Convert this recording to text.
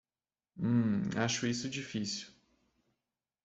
Hum, acho isso difícil.